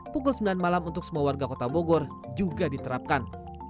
pukul sembilan malam untuk semua warga kota bogor juga diterapkan